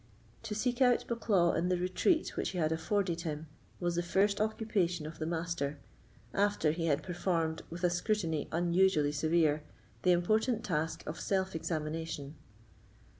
To seek out Bucklaw in the retreat which he had afforded him, was the first occupation of the Master, after he had performed, with a scrutiny unusually severe, the important task of self examination.